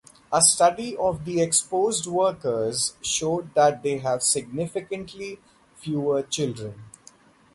A study of the exposed workers showed that they have significantly fewer children.